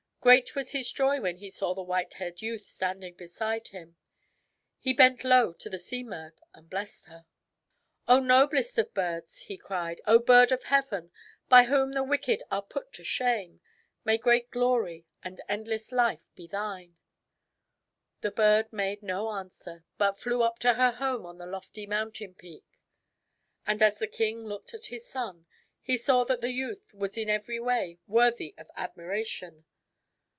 Great was his joy when he saw the white haired youth standing beside him. He bent low to the Simurgh and blessed her. "O noblest of birds!" he cried. "O bird of heaven, by whom the wicked are put to shame ! May great glory and endless life be thine !" The bird made no answer, but flew up to her home on the lofty mountain peak. And as the king looked at his son, he saw that the youth was in every way worthy of admiration.